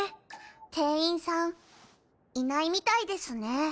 店員さんいないみたいですね。